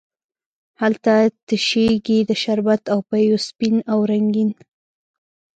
هلته تشیږې د شربت او پېو سپین او رنګین،